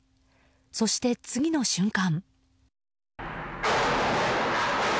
そして、次の瞬間。